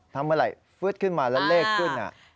ถ้าเมื่อไหร่ฟึ๊ดขึ้นมาแล้วเลขขึ้น